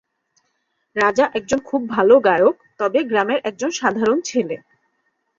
রাজা একজন খুব ভালো গায়ক, তবে গ্রামের একজন সাধারণ ছেলে।